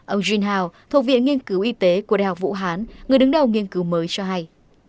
ông jin hao thuộc viện nghiên cứu y tế của đại học vũ hán người đứng đầu nghiên cứu mới cho hay